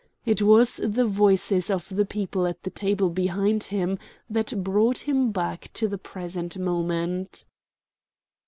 It was the voices of the people at the table behind him that brought him back to the present moment.